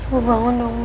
bu bangun dulu